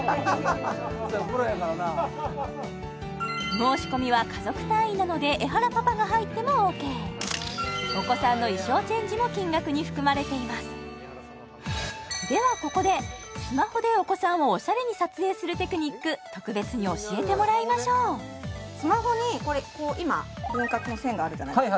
申し込みは家族単位なのでエハラパパが入ってもＯＫお子さんの衣装チェンジも金額に含まれていますではここでスマホでお子さんをおしゃれに撮影するテクニック特別に教えてもらいましょうスマホに今分割の線があるじゃないですか